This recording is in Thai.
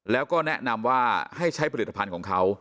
แล้วก็แนะนำว่าให้ใช้ผลิตภัณฑ์ของเขา